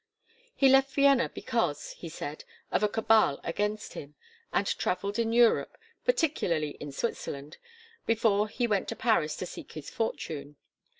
He left Vienna because, he said, of a cabal against him, and travelled in Europe, particularly in Switzerland, before he went to Paris to seek his fortune.